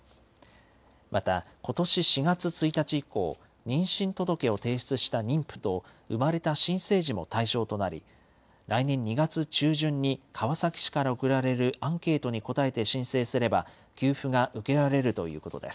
またことし４月１日以降、妊娠届を提出した妊婦と生まれた新生児も対象となり、来年２月中旬に川崎市から送られるアンケートに答えて申請すれば、給付が受けられるということです。